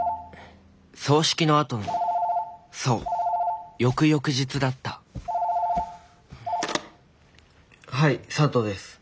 葬式のあとのそう翌々日だった☎はい佐藤です。